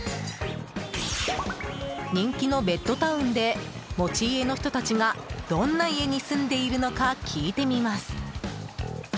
人気のベッドタウンで持ち家の人たちがどんな家に住んでいるのか聞いてみます。